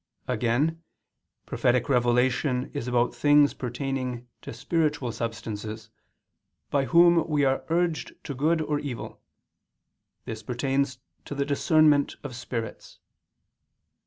_ Again, prophetic revelation is about things pertaining to spiritual substances, by whom we are urged to good or evil; this pertains to the _discernment of spirits.